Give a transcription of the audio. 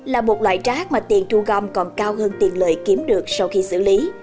là một loại rác mà tiền thu gom còn cao hơn tiền lợi kiếm được sau khi xử lý